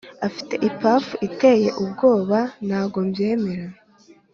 afite ipafu iteye ubwoba ntago mbyemera